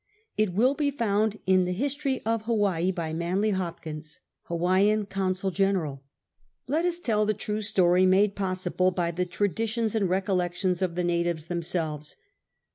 It will be found in the History of Hawaii^ by Mauley Hopkins, Hawaiian Consul General. Let us tell the true story, made ]K)s siblc by the traditions and recollections of the natives themselves.